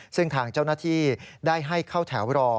ซึ่งทางเจ้าหน้าที่ได้ให้เข้าแถวรอ